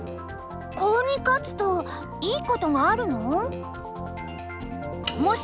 コウに勝つといいことがあるの？